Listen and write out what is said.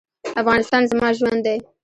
افغانستان زما ژوند دی؟